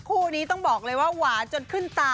คู่นี้ต้องบอกเลยว่าหวานจนขึ้นตา